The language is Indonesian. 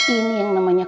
ini yang namanya